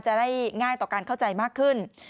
จะได้ง่ายต่อการเข้าใจมากขึ้น